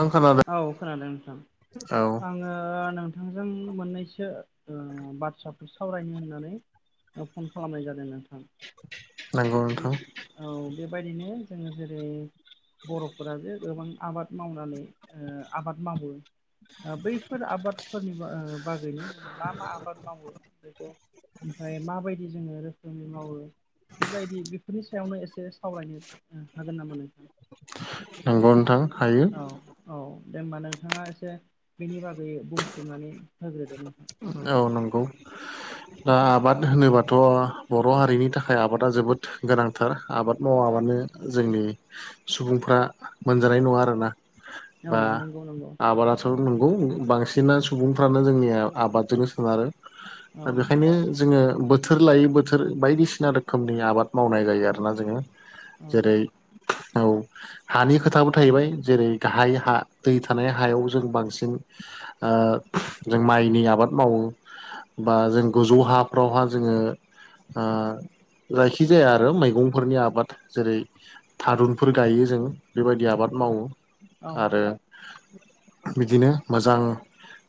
आं खोनादों औ खोनादों नोंथां औ आङो नोंथांजों मोननैसो ओ बाथ्राफोर सावरायनो होननानै ओ फन खालामनाय जादों नो नंगौ नोंथां बायदिनो जोङो जेरै बर'फोर जे गोबां आबाद मावनानै आ आबाद मावो। आ बैफोर आबादफोर आ बागैनो जोङो मा मा आबाद मावो बेखौ ओमफाय माबायदि जोङो जोंनि मावो बेबायदि बेफोरनि सायावनो एसे सावरायनो हागोन नामा नोंथां? नंगौ नोंथां हायो औ औ दे होमबा नोंथाङा एसे बेनि बागै बुंफुरनानै होग्रोदो। औ नंगौ दा आबाद होनोबाथ' बर' हारिनि थाखाय आबादा जोबोद गोनांथार आबाद मावाबा माने जोंनि सुबुंफ्रा मोनजानाय नङा आरोना औ बा नंगौ नंगौ आबादाथ' नंगौ बांसिना सुबुंफ्रानो जोंनिया आबादजोनो सोनारो औ दा बेखायनो जोङो बोथोर लायै बोथोर बायदिसिना रोखोमनि आबाद मावनाय जायो आरोना जोङो। औ जेरै औ हानि खोथाबो थाहैबाय जेरै गाहाय हा दै थानाय हायाव जों बांसिन आ जों माइनि आबाद मावो। बा जों गोजौ हाफ्रावहा जोङो आ जायखिजाया आरो मैगंफोरनि आबाद जेरै थारुनफोर गायो जों बेबायदि आबाद मावो औ आरो बिदिनो मोजां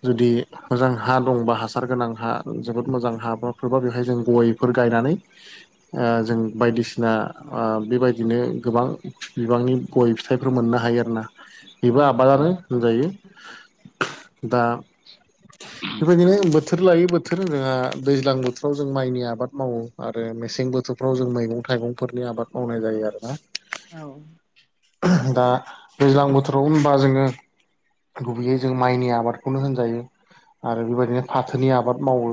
जुदि मोजां हा दंबा हासार गोनां हा जोबोद मोजां हाफोरबा बेहाय जों गयफोर गायनानै आ जों बायदिसिना आ बेबायदिनो गोबां बिबांनि गय फिथाइफोर मोन नो हायो आरोना औ बेबो आबादानो होनजायो दा बेबायदिनो बोथोर लायै बोथोर आ दैज्लां बोथोराव जों माइनि आबाद मावो आरो मेसें बोथोरफ्राव जों माइ गं थाइगंफोरनि आबाद मावनाय जायो आरोना औ दा दैज्लां बोथोराव होनबा जोङो गुबैयै जों माइनि आबादखौनो होनजायो। आरो बेबायदिनो फाथोनि आबाद मावो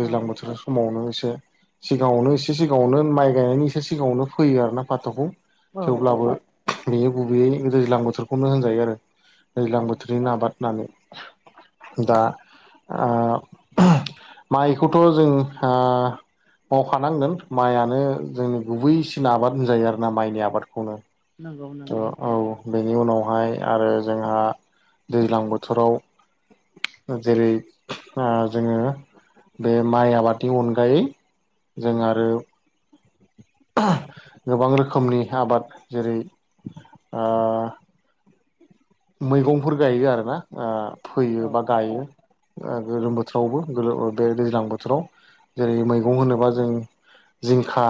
औ बोथोर समावनो एस [unintelligible] सिगाङावनो एसे सिगाङावनो माइ गायनायनि एसे सिगाङावनो फैयो आरोना फाथ'खौ औ थेवब्लाबो बेयो गुबैयै दैज्लां बोथोरखौनो होनजायो आरो। औ दैज्लां बोथोरनिनो आबाद होननानै दा आ [unintelligible] माइखौथ' जों आ मावखानांगोन माइयानो आरो जोंनि गुबैसिन आबाद होनजायो आरोना माइनि आबादखौनो। नंगौ अ नंगौ औ बेनि उनाव बाय आरो जोंहा दैज्लां बोथोराव जेरै ओ जोङो बे माइ आबादनि अनगायै जों आरो गोबां रोखोमनि आबाद जेरै ओ मैगंफोर गायो आर ना ओ औ फोयो बा गायो। गोलोम बोथोरावबो गोलोम बे दैज्लां बोथोराव जेरै मैगं होनोबा जों जिंखा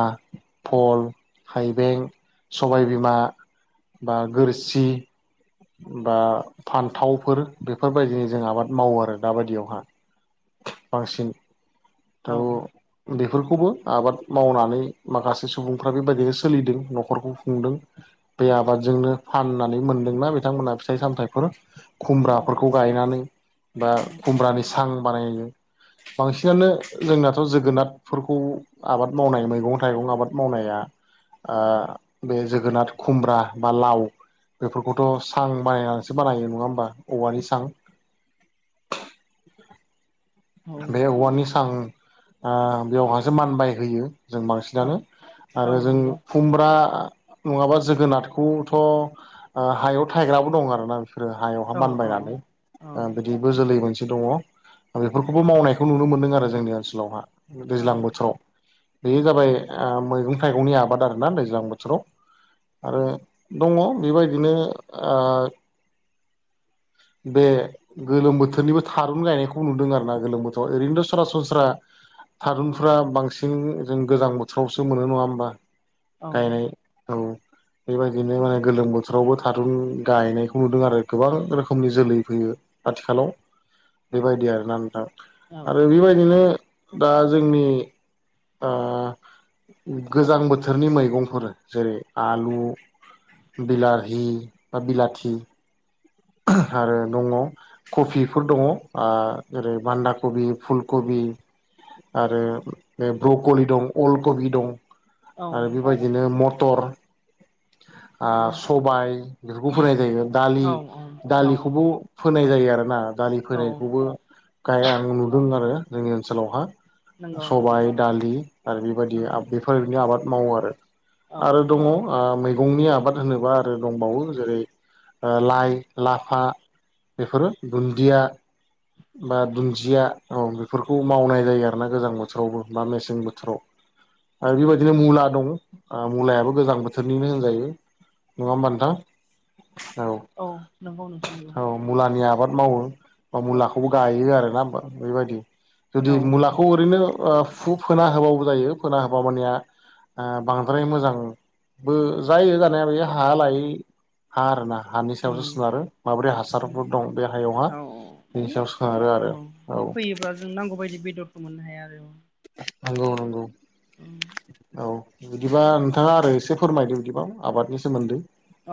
फल थाइबें सबायबिमा बा गोरसि बा फान्थावफोर बेफोरबायदिनि जों आबाद मावो आरो दाबायदियावहा बांसिन औ थ' बेफोरखौबो आबाद मावनानै माखासे सुबुंफ्रा बेबायदिनो सोलिदों न'खरखौ खुंदों बे आबाद जोंनो फाननानै मोनदोंना बिथांमोनहा फिथाइ सामथाइफोर खुमब्राफोरखौ गायनानै बा खुमब्रानि सां बानायो बांसिनानो जोंनाथ' जोगोनारफोरखौ आबाद मावनाय मैगं थाइगं आबाद मावनाया ओ बे जोगोनार खुमब्रा बा लाव बेफोरखौथ' सां बानायनानैसो बानायो नङा होमबा औवानि सां [unintelligible] औ बे औवानि सां ओ बेयावहासो मानबायहोयो जों बांसिनानो औ आरो जों नंगौ खुमब्रा नङाबा जोगोनाथखौथ' हायाव थायग्राबो दं आरोना हायावहा औ औ नंगौ औ मानबायनानै बिदिबो जोलै मोनसे दङ बे बेफोरखौबो मावनायखौ नुनो मोन्दों आरो जोंनि ओनसोलावहा दैज्लां बोथोराव बे जाबाय मैगं थाइगंनि आबाद आरोना दैज्लां बोथोराव आरो दङ बेबायदिनो ओ बे गोलोम बोथोरनिबो थारुन गायनायखौ नुदों आरोना गोलोम बोथोराव ओरैनोथ' सरासनस्रा थारुनफ्रा बांसिन जों गोजां बोथोरावसो मोनो नङा होमबा गायनाय औ बेबायदिनो माने गोलोम बोथोरावबो थारुन गायनायखौ नुदों आरो गोबां रोखोम समनि जोलै फैयो आथिखालाव बेबायदि आरोना नोंथां आरो बेबायदिनो दा जोंनि ओ गोजां बोथोरनि मैगंफोर जेरै आलु बिलाहि बा बिलाथि आरो दङ कबिफोर दङ ओ जेरै बान्दा कबि फुल कबि आरो ब्रकलि दं अल कबि दं आरो बेबायदिनो मटर ओ सबाय बेफोरखौ फोनाय जायो दालि दालिखौबो फोनाय जायो आरो ना दालि फोनायखौबो गायहां नुदों आरो जोंनि ओनसोलावहा नंगौ नंगौ सबाय दालि आरो बेबायदि औ बेफोरनो आबाद मावो आरो औ आरो दङ ओ मैगंनि आबाद होनोबा आरो दंबावो जेरै लाइ लाफा बेफोरो दुन्दिया बा दुन्दिया औ बेफोरखौ मावनाय जायो आरोना गोजां बोथोरावबो बा मेसें बोथोराव आरो बेबायदिनो मुला दं ओ मुलायाबो गोजां बोथोरनिनो होनजायो नङा होमब्ला नोंथां औ नोंगौ औ मुलानि आबाद मावो बा मुला नुयो आरोना बेबायदि जुदि औ मुलाखौ ओरैनो ओ फु फोना होबावो जायो फोना होबा मानेया बांद्राय मोजांबो जायो जानाया बे हा लायै हा आरोना हानि सायावसो उम सोनारो माबोरै हासारफोर दं बे हायावहा औ बेनि माने सायाव सोनारो औ आरो औ फैयोब्ला जों नांगौ बायदि बेदरफोर मोननो हाया आरो औ नंगौ नंगौ औ बिदिबा नोंथाङा आरो एसे फोरमायदो बिदिबा आबादनि सोमोन्दै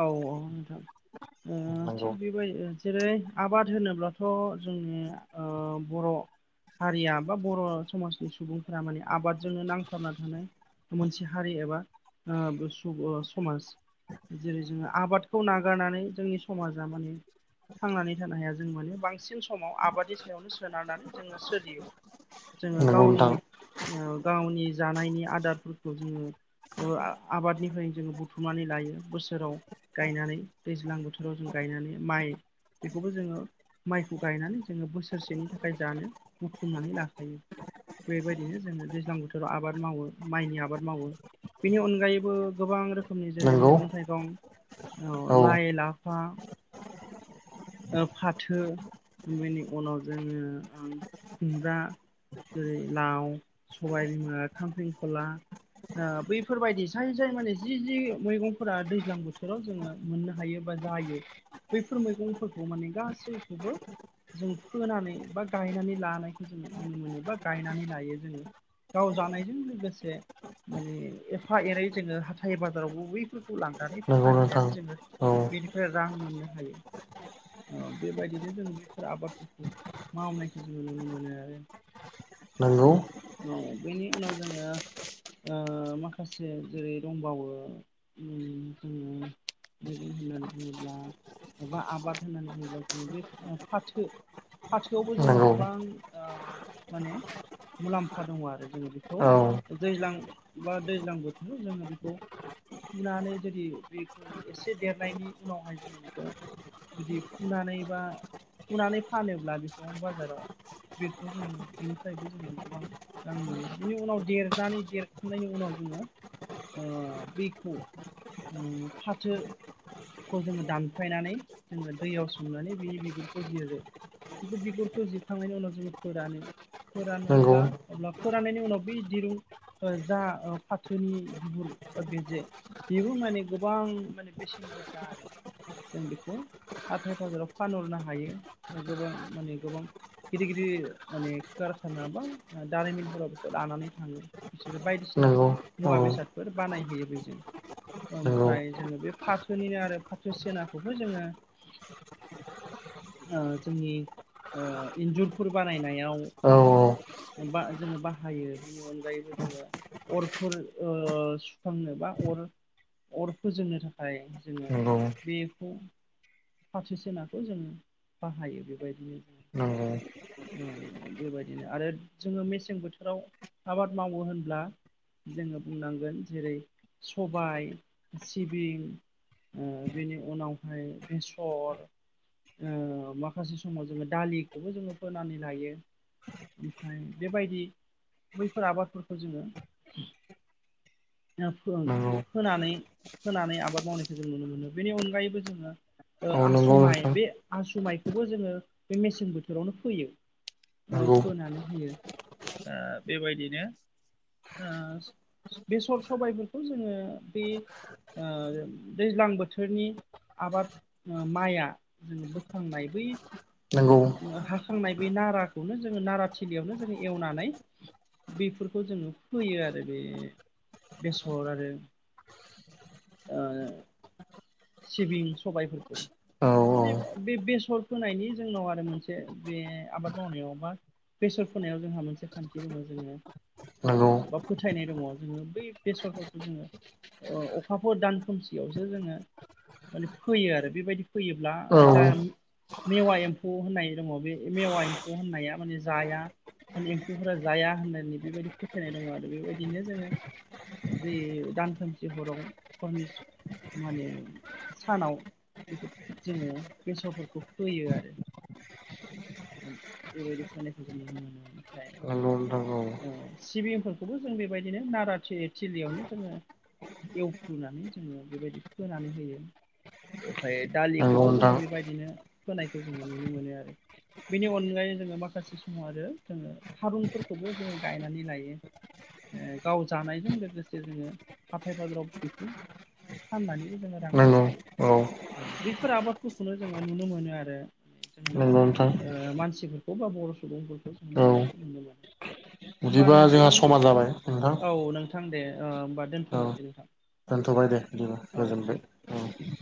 औ औ नोंथां नंगौ थिग बेबाय जेरै आबाद होनोब्लाथ' जोंनि ओ बर' हारिया बा बर' समाजनि सुबुंफोरा माने आबादजोंनो नांथाबना थानाय मोनसे हारि एबा सुब समाज जेरै जोङो आबादखौ नागारनानै जोंनि समाजा माने थांनानै थानो हाया जों माने बांसिन समाव आबादनि सायावनो सोनारनानै जोङो सोलियो जोङो नंगौ गावनि नोंथां गावनि जानायनि आदारफोरखौ जोङो आबादनिफ्राय जोङो बुथुमनानै लायो बोसोराव गायनानै दैज्लां बोथोराव जों गायनानै माइ बेखौबो जोङो माइखौ गायनानै जोङो बोसोरसेनि थाखाय जानो बुथुमनानै लाखायो बेबायदिनो जोङो दैज्लां बोथोराव आबाद मावो माइनि आबाद मावो बेनि अनगायैबो गोबां रो खोमनि जेरै नंगौ मैगं थाइगं औ लाइ लाफा फाथो बेनि उनाव जोङो खुमब्रा जेरै लाव सबाय बिमा खांख्रिखला बैफोरबायदि जाय जाय माने जि जि मैगंफोरा दैज्लां बोथोराव जोङो मोननो हायो बा जायो बैफोर मैगंफोरखौ माने गासैखौबो जों फोनानै बा गायनानै लानायखौ जोङो नुनो मोनो बा गायनानै लायो जोङो गाव जानायजों लोगोसे माने एफा एनै जोङो हाथाइ बाजारावबो बैफोरखौ लांनानै नंगौ नोंथां फारिहैनानै जोङो औ बेनिफ्राय रां मोननो हायो बेबायदिनो जों बैफोर आबादफोरखौ मावनायखौ जोङो नुनो मोनो आरो नोंगौ औ बेनि उनाव जोङो ओ माखासे जेरै दंबावो ओ मैगं होननानै बुङोब्ला एबा आबाद होननानै बुङोब्ला जोङो बे फाथो फाथोआवबो जोंहा नंगौ गोबां माने मुलाम्फा दङ आरो जोङो बेखौ औ दैज्लां बा दैज्लां बोथोराव जोङो बेखौ फुनानै जुदि बेखौ एसे देरनायनि उनावहाय जोङो बेखौ जुदि फुनानै बा फुनानै फानोब्ला बेखौ बाजाराव बेखौ जोङो बेनिफ्रायबो जोङो गोबां रां मोनो बेनि उनाव देरनानै देरखांनायनि उनाव जोङो ओ दैखौ फाथो खौ जोङो दानफायनानै जोङो दैयाव संनानै बिनि बिगुरखौ जिरो बेखौ बिगुरखौ जिरखांनायनि उनाव जोङो फोरानो नंगौ फोरानोब्ला अब्ला फानायनि उनाव बेै दिरुं जा फाथोनि बिहुर बे जे बेबो माने गोबां माने बेसेन गोसा आरो जों बेखौ हाथाय बाजाराव फानहरनो हायो गोबां माने गोबां गिदिर गिदिर माने कारखाना बा दारिमिनफोराव बेखौ लानानै थाङो बिसोरो बायदिसिना नंगौ औ मुवा बेसादफोर बानायहोयो बे जों नंगौ ओमफ्राय जोङो बे फाथो निनो आरो फाथो सिनाखौबो जोङो ओ जोंनि ओ इन्जुरफोर बानायनायाव औ बा जोङो बाहायो बिनि अनगायैबो जोङो अरफोर सुखांनो बा अर अर फोजोंनो थाखाय जोङो नंगौ बेखौ फथिसोनाखौ जोङो बाहायो बेबायदिनो नंगौ जों बेबायदिनो आरो जोङो मेसें बोथोराव आबाद मावो होनब्ला जोङो बुंनांगोन जेरै सबाय सिबिं ओ बेनि उनावहाय बेसर ओ माखासे समाव जोङो दालिखौबो जोङो फोनानै लायो ओमफ्राय बेबायदि बैफोर आबादफोरखौ जोङो नंगौ फोनानै फोनानै आबाद मावनायखौ जों नुनो मोनो बेनि अनगायैबो जोङो औ नंगौ आसु माइ नोंथां बे आसु माइखौबो जोङो बे मेसें बोथोरावनो फोयो ओ नंगौ फोनानै होयो दा बेबायदिनो ओ बेसर सबायफोरखौ जोङो बे ओ दैज्लां बोथोरनि आबाद माइआ जोङो बोखांनाय बै नंगौ हाखांनाय बे नाराखौनो जोङो नारा थिलियावनो जोङो एवनानै बेफोरखौ जोङो फोयो आरो बे बेसर आरो ओ सिबिं सबायफो औ औ माने बे बेसर फोनायनि जोंनाव आरो मोनसे बे आबाद मावनायाव बा बेसर फोनायाव जोंहा मोनसे खान्थि दङ जोङो नंगौ ओ बा फोथायनाय दङ जोङो बै बेसरफोरखौ जोङो ओ अखाफोर दान खोमसियावसो जोङो माने फोयो आरो बेबायदि फोयोब्ला औ जाहम मेवा एम्फौ होननाय दङ बे मेवा एम्फौ होननाया माने जाया माने एम्फौफोरा जाया होननानै बेबायदि फोथायनाय दङ आरो बेबायदिनो जोङो बे दानखोमसि हराव हरनिस माने सानाव बेखौ जोङो बेसरफोरखौ फोयो आरो बेबायदि फोनायखौ जों नुनो मोनो ओमफ्राय नंगौ नोंथां सिबिंफोरखौबो जों बेबायदिनो नारा थिलियावनो जोङो एवफुनानै जोङो बेबायदि फोनानै होयो ओमफाय औ नंगौ दालिखौबो नोंथां जोङो बेबायदिनो फोनायखौ जोङो नुनो मोनो आरो बेनि अनगायै जोङो माखासे समाव आरो जोङो थारुनफोरखौबो जोङो गायनानै लायो। ओ गाव जानायजों लोगोसे जोङो हाथाय बाजाराव बेखौ फाननानै जोङो रां नंगौ आरजियो। औ औ बेफोर आबादफोरखौनो जोङो नुनो मोनो आरो जोंनि नंगौ नोंथां ओ मानसिफोरखौ बा बर' सुबुंफोरखौ जों औ मावनायखौ नुनो मोनो होमबा बिदिबा जोंहा नोंथां समा जाबाय नोंथां औ नोंथां दे ओ होमबा औ दोनथ'नोसै नोंथां दोनथ'बाय दे बिदिबा औ दे गोजोनबाय औ।